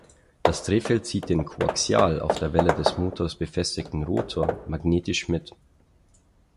Das Drehfeld zieht den koaxial auf der Welle des Motors befestigten Rotor magnetisch mit.